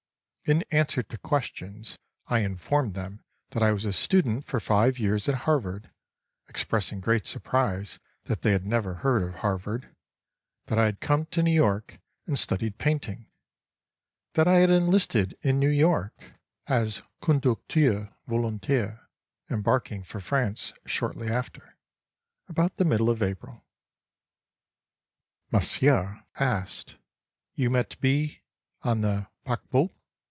In answer to questions, I informed them that I was a student for five years at Harvard (expressing great surprise that they had never heard of Harvard), that I had come to New York and studied painting, that I had enlisted in New York as conducteur volontaire, embarking for France shortly after, about the middle of April. Monsieur asked: "You met B—— on the paquebot?"